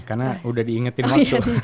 karena udah diingetin waktu